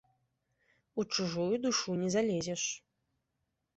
У чужую душу не залезеш.